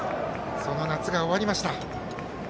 その夏が終わりました。